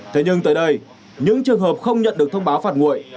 thế nhưng tới đây những trường hợp không nhận được thông báo phạt nguội